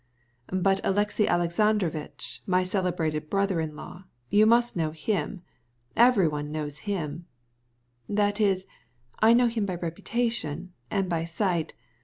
"But Alexey Alexandrovitch, my celebrated brother in law, you surely must know. All the world knows him." "I know him by reputation and by sight.